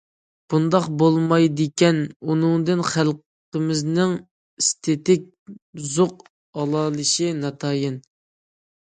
ئۇنداق بولمايدىكەن، ئۇنىڭدىن خەلقىمىزنىڭ ئېستېتىك زوق ئالالىشى ناتايىن.